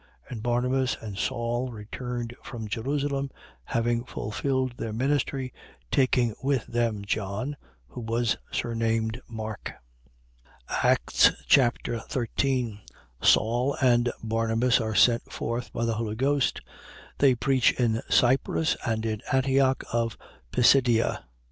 And Barnabas and Saul, returned from Jerusalem, having fulfilled their ministry, taking with them John who was surnamed Mark. Acts Chapter 13 Saul and Barnabas are sent forth by the Holy Ghost. They preach in Cyprus and in Antioch of Pisidia.